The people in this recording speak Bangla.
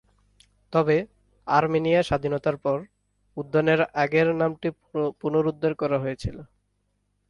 তবে, আর্মেনিয়া স্বাধীনতার পর, উদ্যানের আগের নামটি পুনরুদ্ধার করা হয়েছিল।